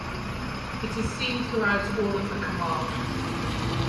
It is seen throughout all of Camargue.